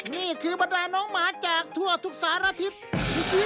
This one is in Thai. นี่คือบรรดาน้องหมาจากทั่วทุกสารทิศ